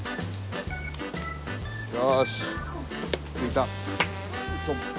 よし着いた。